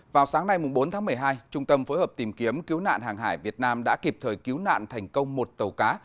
vào sáng nay bốn tháng một mươi hai trung tâm phối hợp tìm kiếm cứu nạn hàng hải việt nam đã kịp thời cứu nạn thành công một tàu cá